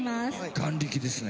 眼力ですね？